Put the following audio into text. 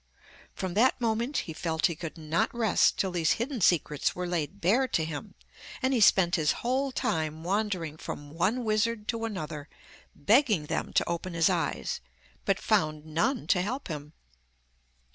From that moment he felt he could not rest till these hidden secrets were laid bare to him, and he spent his whole time wandering from one wizard to another, begging them to open his eyes, but found none to help him.